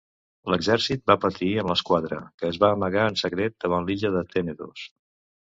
L'exèrcit va partir amb l'esquadra, que es va amagar en secret davant l'illa de Tènedos.